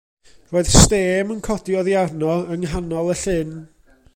Roedd stêm yn codi oddi arno, yng nghanol y llyn.